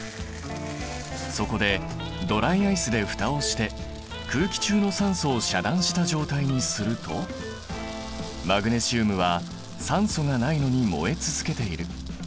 そこでドライアイスで蓋をして空気中の酸素を遮断した状態にするとマグネシウムは酸素がないのに燃え続けている。